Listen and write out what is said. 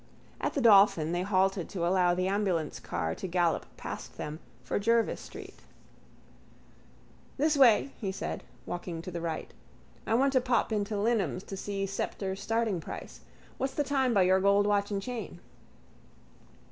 At the Dolphin they halted to allow the ambulance car to gallop past them for Jervis street. —This way, he said, walking to the right. I want to pop into Lynam's to see Sceptre's starting price. What's the time by your gold watch and chain?